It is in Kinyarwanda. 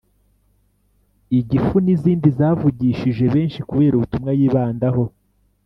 ‘Igifu’ n’izindi zavugishije benshi kubera ubutumwa yibandaho